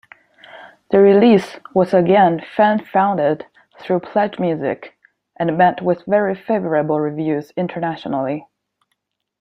The release was again fan-funded through Pledgemusic, and met with very favorable reviews internationally.